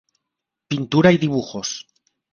Pintura y dibujos.